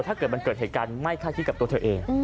ถ้าเกิดมันเกิดเหตุการณ์ไม่คาดคิดกับตัวเธอเอง